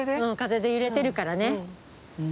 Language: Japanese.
うん風で揺れてるからね。